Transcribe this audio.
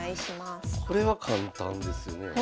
これは簡単ですよね。